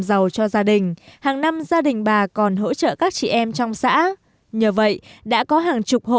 giàu cho gia đình hàng năm gia đình bà còn hỗ trợ các chị em trong xã nhờ vậy đã có hàng chục hộ